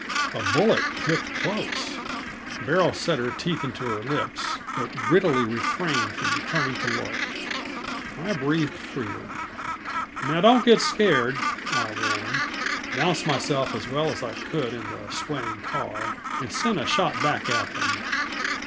A bullet clipped close. Beryl set her teeth into her lips, but grittily refrained from turning to look. I breathed freer. "Now, don't get scared," I warned, balanced myself as well as I could in the swaying car, and sent a shot back at them.